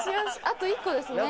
あと１個ですね。